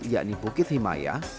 yakni bukit himayah